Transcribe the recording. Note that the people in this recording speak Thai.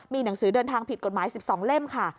มีหนังสือเดินทางผิดกฎหมาย๑๒เล่มค่ะ